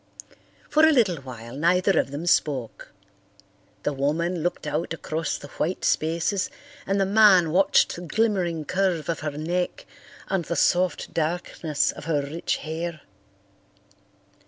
For a little while neither of them spoke. The woman looked out across the white spaces and the man watched the glimmering curve of her neck and the soft darkness of her rich hair.